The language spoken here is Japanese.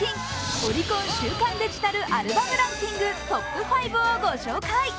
オリコン週間デジタルアルバムランキングトップ５をご紹介。